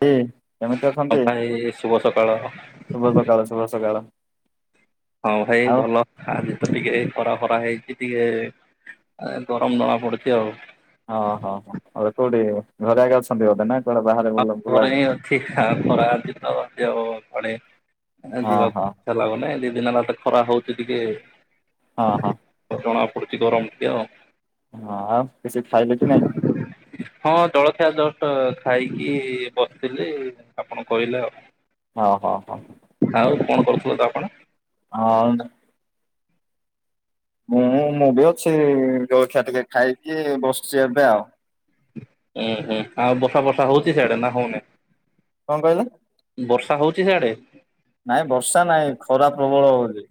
[unintelligible] କେମିତି ହଁ ଅଛନ୍ତି ଭାଇ ଶୁଭ ସକାଳ ଶୁଭ ସକାଳ ଶୁଭ ସକାଳ। ହଁ ଭାଇ ଆଉ ଭଲ। ଆଜି ତ ଟିକେ ଖରା ଫରା ହେଇଚି ଟିକେ ଗରମ ଜଣା ପଡୁଚି ଆଉ। ଓହୋ ହୋ ବେ କୋଉଠି ଘରେ ଆଗେ ଅଛନ୍ତି ବୋଧେ ନା କୁଆଡେ ବାହାରେ ବୁଲ ବୁଲା [unintelligible] ହେଲା ବନେ ହଁ ହଁ ଦି ଦିନ ହେଲା ଖରା ହଉଚି ଟିକେ ହଁ ହଁ। ଜଣା ପଡୁଛି ଗରମ ଟିକେ ଆଉ। ହଁ ଆଉ କିଛି ଖାଇଲେ କି ନାହିଁ? ହଁ ଜଳଖିଆ ଜଷ୍ଟ ଖାଇକି ବସିଥିଲି ଆପଣ କହିଲେ ଆଉ ହଁ ହଁ ହଁ ଆଉ କଣ କରୁଥିଲ ତ ଆପଣ [unintelligible] ମୁଁ ମୁଁ ବି ଅଛି ଜଳଖିଆ ଟିକେ ଖାଇକି ବସିଛି ଏବେ ଆଉ ଉୁଁ ହୁଁ ଆଉ ବର୍ଷା ବର୍ଷା ହଉଚି ସିଆଡେ ନା ହଉନି କଣ କହିଲେ ବର୍ଷା ହଉଛି ସିଆଡେ ନାଇଁ ବର୍ଷା ନାଇଁ ଖରା ପ୍ରବଳ ହଉଛି।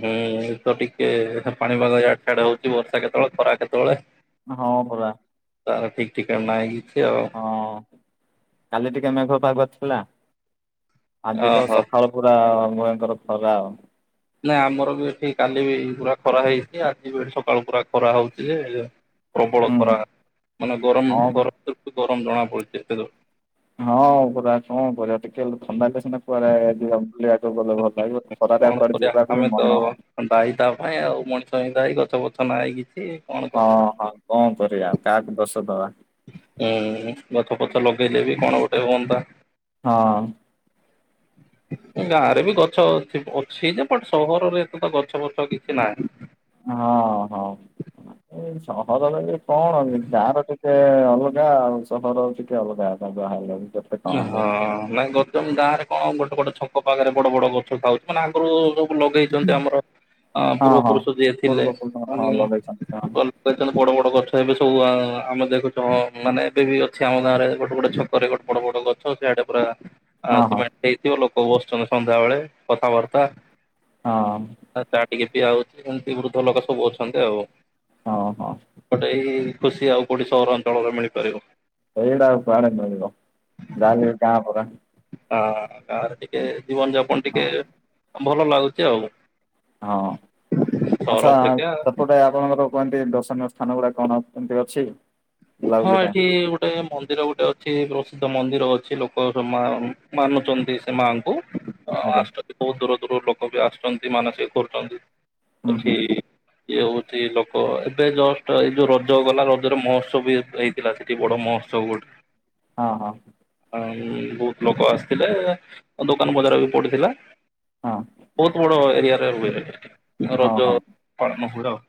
ହୁଁ ଏଇତ ଟିକେ ପାଣି ପାଗ ଇଆଡ଼େ ସିଆଡେ ହଉଛି ବର୍ଷା କେତେବେଳେ ଖରା କେତେବେଳେ। ହଁ ପରା ତାର ଠିକ୍ ଠିକଣା ନାହିଁ କିଛି ଆଉ ହଁ କାଲି ଟିକେ ମେଘୁଆ ପାଗ ଥିଲା ଆଜି ତ ଓହୋ ସକା ସକାଳୁ ପୁରା ଭୟଙ୍କର ଖରା ନାଇଁ ଆମର ବି ଏଠି କାଲି ବି ପୁରା ଖରା ହେଇଛି ଆଜି ବି ଏଠି ସକାଳୁ ପୁରା ଖରା ହଉଛି ଯେ ପ୍ରବଳ ହୁଁ ଖରା ହୁଁ ମାନେ ଗରମ ହଁ ଗରମ ଜଣା ପଡୁଛି ଏ ହଁ ପରା କଣ କରିବା ଟିକେ ଥଣ୍ଡା ହେଲେ ସିନା କୁଆଡେ ବୁଲିବାକୁ ଗଲେ ଭଲ ଲାଗିବ ଖରାରେ କୁଆଡେ ଯିବାକୁ ବି ମନ ହଉନି ଦାଇ ତା ପାଇଁ ଆଉ ମଣିଷ ପାଇଁ ଦାଇ ଗଛ ପଛ ନାହିଁ କିଛି କଣ ହଁ କରିବା ହଁ କଣ କରିବା କାହାକୁ ଦୋଷ ଦବା ହୁଁ ଗଛ ପଛ ଲଗେଇଲେ ବି କଣ ଗୋଟେ ହୁଅନ୍ତା ହଁ ଗାଁ ରେ ବି ଗଛ ଅଛି ଯେ ବଟ ସହରରେ ଏତେ ତ ଗଛ ଫଛ କିଛି ନାହିଁ ହଁ ହଁ ସହରରେ କଣ ଗାଁ ର ଟିକେ ଅଲଗା ଆଉ ସହର ଟିକେ ଅଲଗା ଯାହା ହେଲେ ବି କଣ ହେଲେ ହଁ ବି ନାହିଁ ଗାଁରେ କଣ ଗୋଟେ ଗୋଟେ ଛକ ପାଖରେ ବଡ ବଡ ଗଛ ମାନେ ଆଗରୁ ସବୁ ଲଗେଇଛନ୍ତି ଆମର ଅ ହଁ ପୂର୍ବ ହଁ। ପୁରୁଷ ଯିଏ ଥିଲେ ପୂର୍ବ ପୁରୁଷମାନେ ହଁ ଲଗେଇଛନ୍ତି ସେମାନେ ବଡ ବଡ ଗଛ ଏବେ ସବୁ ଆମେ ଦେଖୁଛ ମାନେ ଏବେ ବି ଅଛି ଆମ ଗାଁ ରେ ଗୋଟେ ଗୋଟେ ଛକରେ ଗୋଟେ ବଡ ବଡ ଗଛ ସିଆଡେ ପୁରା ହଁ ହଁ ସିମେଣ୍ଟ ହେଇଥିବ ଲୋକ ବସିଛନ୍ତି ସନ୍ଧ୍ୟାବେଳେ କଥାବାର୍ତ୍ତା ହଁ ଚା ଟିକେ ପିଆ ହଉଛି ସେମିତି ବୃଦ୍ଧ ଲୋକ ସବୁ ଅଛନ୍ତି ଆଉ ହଁ ହଁ ଗୋଟେ ଏଇ ଖୁସି ଆଉ କୋଉଠି ସହରାଞ୍ଚଳରେ ମିଳିପାରିବ ଏଇଟା କୁଆଡେ ମିଳିବ ଯାହେଲେ ଗାଁ ପରା ହଁ ଗାଁରେ ଟିକେ ଜୀବନ ଯାପନ ହଁ ଟିକେ ଭଲ ଲାଗୁଛି ଆଉ ହଁ ସହର ଆଚ୍ଛା ଅପେକ୍ଷା ସେପଟେ ସେଟା ଆପଣଙ୍କର କୁହନ୍ତି ଦର୍ଶନୀୟ ସ୍ଥାନ ଗୁଡା କଣ କେମିତି ଅଛି ହଁ ବୁଲାବୁଲି ପାଇଁ ଏଠି ଗୋଟେ ମନ୍ଦିର ଗୋଟେ ଅଛି ପ୍ରସିଦ୍ଧ ମନ୍ଦିର ଅଛି ଲୋକ ମା ମାନୁଛନ୍ତି ସେ ମାଙ୍କୁ ଆଜ୍ଞା ଆସୁଛନ୍ତି ବହୁତ ଦୂର ଦୂରରୁ ଲୋକ ବି ଆସୁଛନ୍ତି ମାନସିକ କରୁଛନ୍ତି ହୁଁ ହୁଁ ଏଠି ହୁଁ ଇଏ ହଉଛି ଲୋକ ଏବେ ଜଷ୍ଟ ଏଇ ଯୋଉ ରଜ ଗଲା ରଜରେ ମଷ୍ଟ ମହୋତ୍ସବ ହେଇଥିଲା ସେଠି ବଡ ମହୋତ୍ସବ ଗୋଟେ ହଁ ହଁ ହଁ ବହୁତ ଲୋକ ଆସିଥିଲେ ଦୋକାନ ବଜାର ବି ପଡିଥିଲା। ହଁ। ବହୁତ ବଡ ଏରିଆରେ ରୁହେ ହଁ ରଜ ହଁ ପାଳନ ହୁଏ ଆଉ।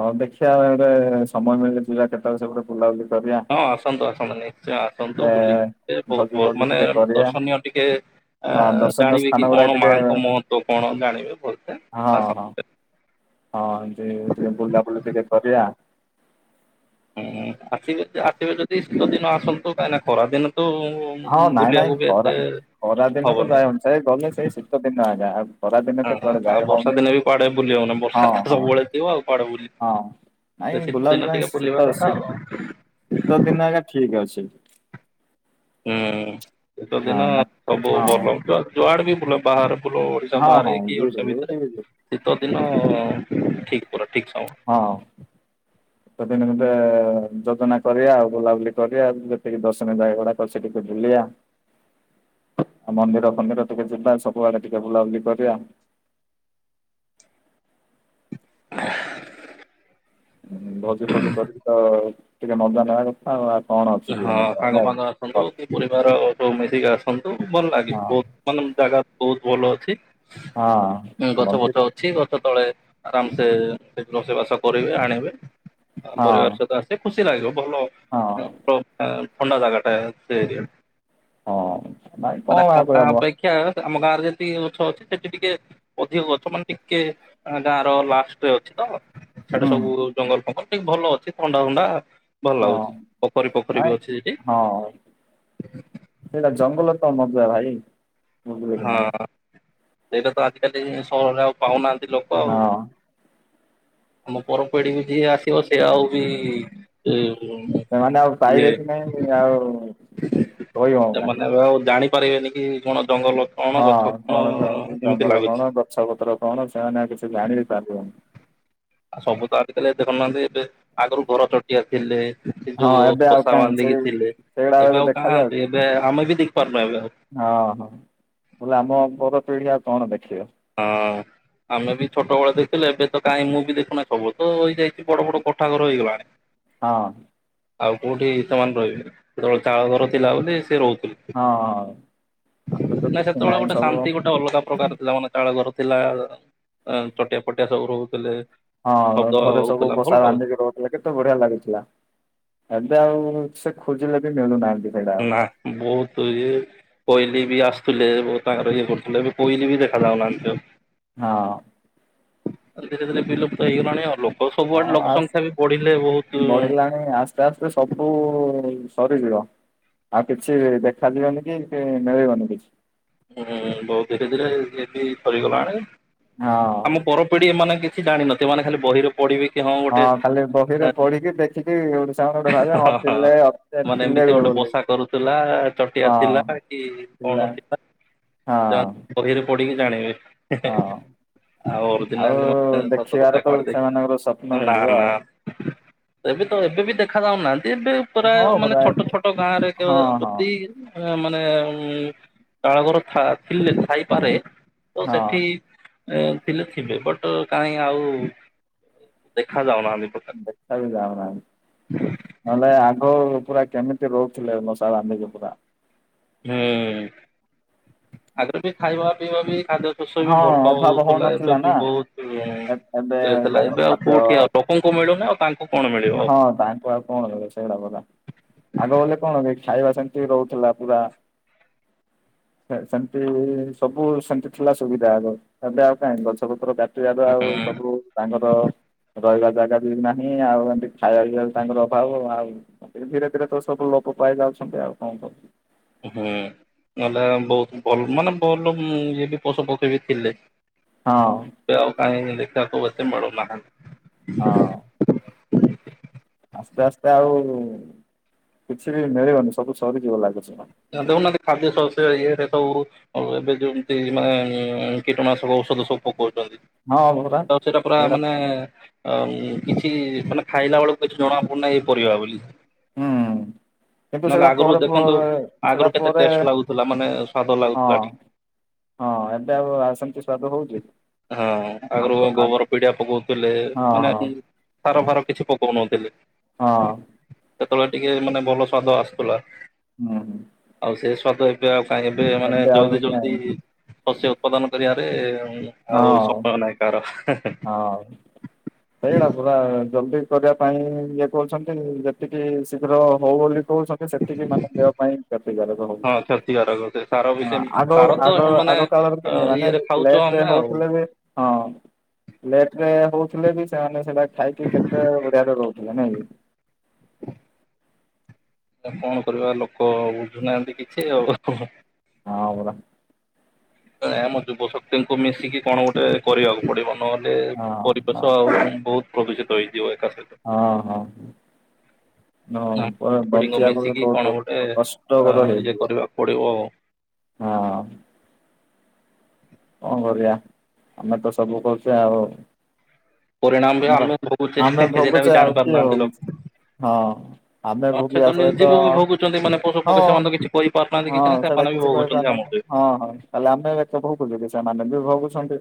ହଁ ଦେଖିବା ଗୋଟେ ସମୟ ମିଳିଳେ ଯିବା କେତେବେଳେ ସେପଟେ ବୁଲାବୁଲି କରିବା। ହଁ ଆସନ୍ତୁ ଆସନ୍ତୁ ନିଶ୍ଚୟ ଆସନ୍ତୁ ଗୋଟେ ବୁଲିିକି ସେ ଭୋଜି ବହୁତ ଫୋଜି ମାନେ ଟିକେ କରିବା ଦର୍ଶନୀୟ ଟିକେ ଆ ହଁ ଦର୍ଶନୀୟ ଜାଣିବେ କି ସ୍ଥାନ ଗୁଡାକ କଣ ଟିକେ ମାଙ୍କ ମହ ତ୍ୱ କଣ ଜାଣିବେ ଭଲସେ ହଁ ଆସ ହଁ ହଁ ଯିବି ଟିକେ ବୁଲାବୁଲି ଟିକେ କରିବା ହୁଁ ଆସିବେକି ଆସିବେ ଯଦି ଶୀତ ଦିନ ଆସନ୍ତୁ କାହିଁକିନା ଖରା ଦିନ କୁ ହଁ ନାଇଁ ନାଇଁ ଖରା ଖରା ଦିନ ତ ହବନି ଯାଇହବନି ସେଇ ଗଲେ ସେଇ ଶୀତ ଦିନ ଆଜ୍ଞା ଆଉ ଖରା ଦିନ ହଁ ତ କୁଆଡେ ଆଉ ବର୍ଷା ହଉନି ଦିନେ ବି କୁଆଡେ ବୁଲି ହବନି ହଁ ବର୍ଷା ତ ହଁ ସବୁବେଳେ ଥିବ ଆଉ କୁଆଡେ ବୁଲି ହଁ। ସେ ନାଇଁ ଶୀତ ଦିନ ବୁଲାବୁଲି ପାଇଁ ଟିକେ ବୁଲିବା ଶୀତ କଥା ଶୀ ଆଉ ହୁଁ। ଶୀତ ଦିନ ଆଜ୍ଞା ଠିକ ଅଛି। ହୁଁ ଶୀତ ଦିନ ହଁ ନା ସବୁ ହଁ ଭଲ ଜୁ ଯୁଡେ ବି ବୁଲ ବାହରେ ଭଲ ଓଡିଶା ହଁ ବାହାରେ ହଁ କି ଯୋଉଠି ଓଡିଶା ଯୋଉଠି ଭିତରେ ଶୀତ ଦିନ ଠିକ ପରା ଠିକ ସମୟ ହଁ। ସେଦିନ [unintelligible] ଯୋଜନା କରିବା ଆଉ ବୁଲାବୁଲି କରିବା ଯେତିକି ଦର୍ଶନୀ ଜାଗା ଗୁଡାକ ସେ ଟିକେ ବୁଲିବା ମନ୍ଦିର ଫନ୍ଦିର ଟିକେ ଯିବା ସବୁଆଡେ ଟିକେ ବୁଲାବୁଲି କରିବା। ହ ହଁ ଭୋଜି ଫୋଜି କରିକି ତ ଟିକେ ମଜା ନେବା କଥା ଆଉ ଆଉ କଣ ଅଛି ହଁ ଜୀବନ ରେ ନାଇଁ କି? ସାଙ୍ଗମାନେ ଆସନ୍ତୁ କି ପରିବାର ସୋଉ ମିଶିକି ଆସନ୍ତୁ ଭଲ ଲାଗେ ବହୁତ ମାନେ ଜାଗା ବହୁତ ଭଲ ଅଛି ହଁ ମନ୍ଦିର ଗଛପଛ ଅଛି ଗଛ ତଳେ ଆରାମ ସେ ରୋଷେଇ ବାସ କରିବେ ଆଣିବେ ଆ ପରିବାର ହଁ ସହିତ ଆସ ସେ ଖୁସି ଲାଗିବ ଭଲ ହଁ। [unintelligible] ଥଣ୍ଡା ଜାଗା ଟ ସେଇ ଏରିଆ ହଁ ନାଇଁ କଣ ଆଉ [unintelligible] କହିହବ ଦେଖିଆ ଆମ ଗାଁରେ ଯେତିକି ଗଛ ଅଛି ସେଠି ଟିକେ ଅଧିକ ଗଛ ମାନେ ଟିକେ ଗାଁ ର ଲାଷ୍ଟରେ ଅଛି ତ। ସେଠେ ହୁଁ ସବୁ ଜଙ୍ଗଲ ଫଙ୍ଗଲ ଟିକେ ଭଲ ଅଛି ଥଣ୍ଡା ଫଣ୍ଡା ଭଲ ହଁ ଲାଗୁଚି। ନାଇଁ ହଁ ସେଟା ଜଙ୍ଗଲ ତ ମଜା ଭାଇ। ବୁଝିଲେ କି ହଁ ନା ସେଇଟା ତ ଆଜିକାଲି ସହରରେ ଆଉ ପାଉନାହାନ୍ତି ଲୋକ ଆଉ। ହଁ ଆମ ପରପିଢି କି ଯିଏ ଆସିବ ସିଏ ଆଉ ବି [unintelligible] ସେମାନେ ଆଉ ଇଏ ପାଇବେ କି ନାଇଁ ଆଉ କହି ହଉନାହିଁ ସେମାନେ କଣ ଆଉ ଜାଣିପାରିବେନି କି କଣ ଜଙ୍ଗଲ କଣ ଗଛ ହଁ କଣ ଜ ଏମିତି ଜଙ୍ଗଲ ଲାଗୁଛି। କଣ ଗଛ ପତ୍ର କଣ ସେମାନେ ଆଉ କିଛି ଜାଣି ବି ପାରିବେନି। ଆଉ ସବୁ ତ ଆଜିକାଲି ଦେଖୁନାହାନ୍ତି ଏବେ ଆଗରୁ ଘର ଚଟିଆ ଥିଲେ। ସେ ହଁ ଯୋଉ ଏବେ ଆଉ ବଷା କାହିଁ ସେଇ ବାନ୍ଧିକି ଥିଲେ ସେଇଗୁଡା ଏବେ ଆଉ ଦେଖାଯାଉଛି କାହାନ୍ତି ଏବେ ଆମେ ବି ଦେଖିପାରୁନୁ ଏବେ ଆଉ। ହଁ ହଁ ବୋଇଲେ ଆମ ବର ପିଢି ଆଉ କଣ ଦେଖିବା। ହଁ। ଆମେ ବି ଛୋଟବେଳେ ଦେଖିଲୁ ଏବେ ତ କାହିଁ ମୁଁ ବି ଦେଖୁନାହିଁ ସବୁ ତ ହେଇଯାଇଚି ବଡ ବଡ କୋଠା ଘର ହେଇଗଲା। ହଁ। ଆଉ କୋଉଠି ସେମାନେ ରହିବେନି ଯେତେବେଳେ ଚାଳ ଘର ଥିଲା ବୋଲି ସେ ରହୁଥିଲେ। ହଁ ହଁ ଆଗ ତ ନା କିଛି ସେତେବେଳେ ନାହିଁ ଗୋଟେ ସବୁ ଶାନ୍ତି ଗୋଟେ ଅଲଗା ପ୍ରକାର ଥିଲା ମାନେ ତାଳଘର ଥିଲା ଆଁ ଚଟିଆ ଫଟିଆ ସବୁ ରହୁଥିଲେ। ହଁ ଶବ୍ଦ ଘରେ ସବୁ ହଉଥିଲା ଭଲ ବସା ଲାଗୁଥିଲା। ରାନ୍ଧିକି ରହୁ ହେଲେ କେତ ବଢିଆ ଲାଗୁଥିଲା ଏବେ ଆଉ ସେ ଖୋଜିଲେ ବି ମିଳୁନାହାନ୍ତି। ସେଇଟା ଆଉ ନା ବହୁତ ଇଏ କୋଇଲି ବି ଆସୁଥିଲେ ତାଙ୍କର ଇଏ କରୁଥିଲେ ଏବେ କୋଇଲି ବି ଦେଖା ଯାଉନାହାନ୍ତି ଆଉ ହଁ ଧୀରେ ଧୀରେ ବିଲୁପ୍ତ ହେଇଗଲାଣି ଆଉ ଲୋକ ସବୁଆଡେ ହଁ ଲୋକ ସଂଖ୍ୟା ବି ବଢିଲେ ବହୁତ ନାଇ ଆସ୍ତେ ଆସ୍ତେ ସବୁ ସରିଯିବ। ଆଉ କିଛି ଦେଖାଯିବନି କି କି ମିଳିବନି କିଛି ହୁଁ ବହୁତ ଧୀରେ ଧୀରେ ଇଏ ବି ସରିଗଲାଣି ହଁ ଆମ ପର ପିଢି ଏମାନେ କିଛି ଜାଣିନଥିବେ ଏମାନେ ଖାଲି ବହିରେ ପଢିବେ କି ହଁ ଗୋଟେ ହଁ ଖାଲି ବହିରେ ପଢିକି ଦେଖିବି ଗୋଟେ ସାଙ୍ଗ ଗୋଟେ ଭାବେ ହଁ ପିଲେ ମାନେ ଏମିତି ଗୋଟେ ବସା କରୁଥିଲା ହଁ ଚଟିଆ ଥିଲା କି କଣ ଥିଲା? ହଁ କଣ ବହିରେ ପଡିକି ଜାଣିବେ। ହଁ ଆଉ ଓରିଜିନାଲ ମେ ଦେଖିବାର ସତକଥା ତ ସେମାନଙ୍କର ସ୍ୱପ୍ନ କରିଦେଇ ନା ହେଇଯିବ ଆଉ। ନା ଏବେ ତ ଏବେ ବି ଦେଖା ଯାଉନାହାନ୍ତି ଏବେ ପୁରା ହଁ ମାନେ ପରା ଛୋଟ ଛୋଟ ଗାଁ ରେ ହଁ ହଁ ଯଦି ଆ ମାନେ ଉ ଚାଳଘର ଥା ଥିଲେ ଥାଇପାରେ ତ ହଁ ସେଠି ଏ ଥିଲେ ଥିବେ ବଟ କାହିଁ ଆଉ ଦେଖା ଯାଉନାହାନ୍ତି ପ୍ରକାର ଦେଖା ବି ଯାଉନାହାନ୍ତି। ନହେଲେ ଆଗ ପୁରା କେମିତି ରହୁଥିଲେ ମଶା ରାନ୍ଧିକି ପୁରା ହୁଁ [unintelligible] ଆଗ ବି ଖାଇବା ପିଇବା ବି ଖାଦ୍ୟ ଫସଲ ହଁ ଭଲ ଅଭାବ ହଉଥିଲା ଏବେ ହଉନଥିଲା ବି ନା। ଏବେ ବହୁତଥିଲା ତାଙ୍କର ଏବେ ଆଉ ଖାଦ୍ୟ କୋଉଠି ଆଉ ଲୋକଙ୍କୁ ମିଳୁନି ଆଉ ତାଙ୍କୁ କଣ ମିଳିବ ଆଉ [unintelligible] ସେଇଡା ଗଲା ଆଗ ଗଲେ କଣ କି ଖାଇବା ସେମିତି ରହୁଥିଲା ପୁରା ସେ ସେମିତି ସବୁ ସେମି଼ ଥିଲା ସୁବିଧା ଆ ଏବେ ଆଉ କାଇଁ ଗଛ ପତ୍ର କାଟିବାରୁ ଆଉ ହୁଁ। ସବୁ ତାଙ୍କର ରହିବା ଜାଗା ବି ନାହିଁ ଆଉ ଏମିତି ଖାଇବା ପିଇବା ତାଙ୍କର ଅଭାବ ଆଉ ଧୀରେ ଧୀରେ ତ ସବୁ ଲୋପ ପାଇ ଯାଉଚନ୍ତି ଆଉ କଣ କହୁଚୁ ହୁଁ ନହେଲେ ବହୁତ ଭଲ ମାନେ ଭଲ ଇଏ ବି ପଦ୍ ପଦେବି ବି ଥିଲେ ହଁ ସେ ଆଉ [unintelligible] ନାହାନ୍ତି। ହଁ। ଆସ୍ତେ ଆସ୍ତେ ଆଉ କିଛି ବି ମିଳିବନି ସବୁ ସରିଯିବ ଲାଗୁଚି। ନ ଦେବୁ ନଅ ଖାଦ୍ୟ ଶସ୍ୟ ଇଏରେ ସବୁ ଆଉ ଏବେ ଯେମିତି ମାନେ କୀଟନାଶକ ଔଷଧ ସବୁ ପକଉଚନ୍ତି [unintelligible] ହଁ ପରା ତ ସେଇଟା ପୁରା ମାନେ ଆଉ କିଛି ମାନେ ଖାଇଲା ବେଳକୁ କିଛି ଜଣା ପଡୁନାହିଁ ଏ ପରିବା ବୋଲି ହୁଁ କିନ୍ତୁ ନହେଲେ ସେଇଟା ଆଗରୁ ପରେ ଦେଖନ୍ତୁ ପରେ ଆଗରୁ ସେଇଟା କେତେ ପରେ ଟେଷ୍ଟ ଲାଗୁଥିଲା ମାନେ ସ୍ଵାଦ ହଁ ଲାଗୁଥିଲା ଟିକେ ହଁ ଏବେ ଆଉ ସେମିତି ସ୍ୱାଦ ହଉଚି ହଁ, ଆଗରୁ ଗୋବର ପିଡିଆ ପକଉଥିଲେ ହଁ ମାନେ ହଁ ସାର ଫାର କିଛି ପକଉନଥିଲି। ହଁ ସେତେବେଳେ ଟିକିଏ ମାନେ ଭଲ ସ୍ଵାଦ ଆସୁଥିଲା। ହୁଁ ହୁଁ। ଆଉ ସେ ସ୍ବାଦ ଏବେ ଆଉ କାହିଁ। ଏବେ ମାନେ ଆଉ ଜଲଦି ଜଲଦି କାଇଁ ଶସ୍ୟ ଉତ୍ପାଦନ କରିବାରେ ଆଉ ସଫଳ ନାହିଁ କାହାର। ହାଉ। ସେଇଟା ପୁରା ଜଲଦି କରିବା ପାଇଁ ଇଏ କହୁଚନ୍ତି। ଯେତିକି ଶୀଘ୍ର ହୋଉ ବୋଲି କହୁଚନ୍ତି। ସେତିକି ମାନେ ଦେହ ପାଇଁ କ୍ଷତିକାରକ ହୋଉ ହଁ କ୍ଷତିକାରକ ଦେ ସାର। ବି ହଁ ସେମିତି ଆଗ, ସାର ତ ଆଗ, ମାନେ ଆଗ କାଳର ଥିଲେ ମାନେ ଇଏରେ ଖାଉଛୁ ଲେଟ୍ ରେ ଆମେ ଆଉ। ହୋଉଥିଲେ ବି ହଁ ଲେଟ୍ ରେ ହୋଉଥିଲେ ବି ସେମାନେ ସେଡା ଖାଇକି କେତେ ବଢିଆରେ ରହୁ ଇଆ ନାଇ। ଆ କଣ କରିବ ଲୋକ ବୁଝୁନାହାନ୍ତି କିଛି ଆଉ ହଁ ପରା। ନାଇଁ ଆମ ଯୁବଶକ୍ତିଙ୍କୁ ମିଶିକି କଣ ଗୋଟେ କରିବାକୁ ପଡିବ। ନହେଲେ ହଁ ପରିବେଶ ଆଉ ବହୁତ୍ ପ୍ରଦୂଷିତ ହେଇଯିବ ଏକା ସହିତ। ହଁ ହଁ। ନ ବ ପିଢିଙ୍କୁ ବଞ୍ଚିବାକୁ ମିଶିକି କଣ ବହୁତ୍ ଗୋଟେ ଅ କଷ୍ଟକର ଇଏ ହେଇଯିବ। କରିବାକୁ ପଡିବ ଆଉ। ହଁ। କଣ କରିବା। ଆମେ ତ ସବୁ କରୁଚେ ଆଉ ପରିଣାମ ବି ଆମର ଆମେ ଭୋଗୁଛେ ଆମେ ସେଇଟା ବି ଭୋଗୁଚେ। ଆଉ ଜାଣି କିଏ ପାରୁନାହାନ୍ତି ଭୋଗୁ ଲୋକ। ହଁ ଆମେ ସେ ଭୋଗିବା ତ ସହିତ ନିଜେ ବି ଭୋଗୁଛନ୍ତି ମାନେ ପଶୁ ହଁ ପକ୍ଷୀ ସେମାନେ ତ କିଛି କରିପାରୁନାହାନ୍ତି ହଁ କିଛି ନାହିଁ ସେଡା ସେମାନେ ବି କିଛି କହି ପାରୁ ଭୋଗୁଛନ୍ତି ନାହାନ୍ତି। ଆମଠୁ। ହଁ ହଁ। ତାହଲେ ଆମେ ସବୁ ଭୁବୁଛୁ କି ସେମାନେ ବି ଭୋଗୁଛନ୍ତି।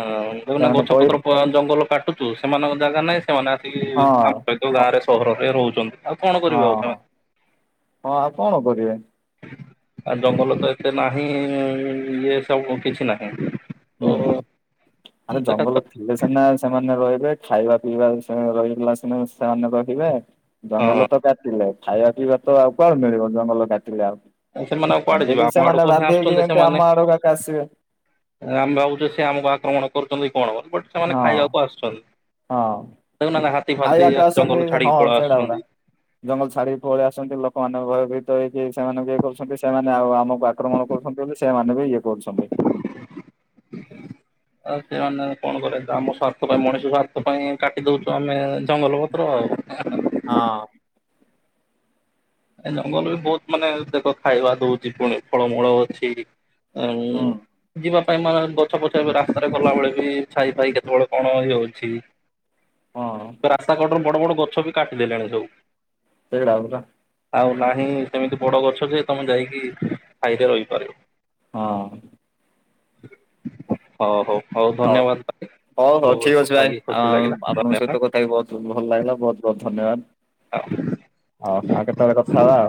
ହଁ ଦେଖନା ସେମାନେ ଗଛ କହି ପତ୍ର ଜଙ୍ଗଲ କାଟୁଛୁ ସେମାନଙ୍କ ଜାଗା ନାହିଁ ସେମାନେ ଆସିକି ହଁ ଆମ ନିଜ ଗାଁ ରେ ସହରରେ ରହୁଛନ୍ତି। ଆଉ କଣ କରିବେ ଆଉ ହଁହଁ ସେମାନେ। ହଁ ଆଉ କଣ କରିବେ? ଆ ଜଙ୍ଗଲ ତ ଏତେ ନାହିଁ ଇଏ ସବୁ କିଛି ନାହିଁ। ତ ହୁଁ ଆରେ ଦେଖା ଜଙ୍ଗଲ ଥିଲେ ସିନା ସେମାନେ ରହିବେ ଖାଇବା ପିଇବାରେ ସେ ରହିଗଲା ସିନା ସେମାନେ ରହିବେ। ଜଙ୍ଗଲ ହଁ ତ କାଟିଲେ। ଖାଇବା ପିଇବା ତ ଆଉ କଣ ମିଳିବ? ଜଙ୍ଗଲ କାଟିଲେ ଆଉ ସେମାନେ ଆଉ କୁଆଡେ ଯିବେ ଏବେବି ଆମ ସେମାନେ ଆଡକୁ ହିଁ ବାଧ୍ୟ ହେଇକି ଆସୁଛନ୍ତି ଏମିତି ସେମାନେ। ଆମ ଆଡକୁ କାକୁ ଆସିବେ। ଆମେ ଭାବୁଛେ ସେ ଆମକୁ ଆକ୍ରମଣ କରୁଛନ୍ତି କଣ କ ବଟ ସେମାନେ ହଁ ଖାଇବାକୁ ଆସୁଛନ୍ତି। ହଁ। ତନା ନା [unintelligible] ହାଇ ଯାକ ଅଛନ୍ତି ହଁ ସେଇଟା ପରା। ଜଙ୍ଗଲ ଛାଡିକି ପଳେଇ ଆସଛନ୍ତି ଲୋକମାନେ ଭୟଭୀତ ହେଇକି ସେମାନଙ୍କୁ ଇଏ କରୁଛନ୍ତି ସେମାନେ ଆଉ ଆମ ପାଖ ଆକ୍ରମଣ କରୁଛନ୍ତି ବୋଲି ସେମାନେ ବି ଇଏ କରୁଛନ୍ତି। ଆ ସେମାନେ କଣ କରେ ଆମ ସ୍ୱାର୍ଥ ପାଇଁ ମଣିଷ ସ୍ୱାର୍ଥ ପାଇଁ କାଟି ଦଉଛୁ ଆମେ ଜଙ୍ଗଲ ଉ [unintelligible] ହଁ। ଏ ଜଙ୍ଗଲ ବି ବହୁତ ମାନେ ଦେଖ ଖାଇବା ଦଉଛି ପୁଣି ଫଳମୂଳ ଅଛି। ଏଇଁ ହୁଁ ଯିବା ପାଇଁ ମାନେ ବ ଗଛ ପଛ ବି ରାସ୍ତାରେ ଗଲାବେଳେ ବି ଛାଇ ଫାଇ କେତେବେଳେ କଣ ଇଏ ହଉଛି। ହଁ ରାସ୍ତା କଡର ବଡ ବଡ ଗଛ ବି କାଟିଦେଲେଣି ସବୁ। ସେଇ ହ୍ର [unintelligible] ଆଉ ନାହିଁ ସେମିତି ବଡ ଗଛ ଯେ ତମେ ଯାଇକି ଛାଈରେ ରହିପାରିବ। ହଁ। ହଉ ହଉ ହଉ ଧନ୍ୟବାଦ ଭାଇ। ହଉ ହଉ ବହୁତ ଠିକ ଅଛି କଥା ଭାଇ। ହେଇକି ଖୁସି ଲାଗିଲା ଆପଣଙ୍କ ଧନ୍ୟବାଦ। ସହିତ କଥା ହେଇ ବହୁତ ଭଲ ଲାଗିଲା ବହୁତ ବହୁତ ଧନ୍ୟବାଦ। ହଁ। ହଉ ଆଉ କେତେବେଳେ କଥା ହେବା।